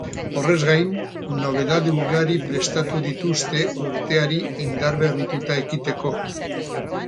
Horrez gain, nobedade ugari prestatu dituzte urteari indarberrituta ekiteko.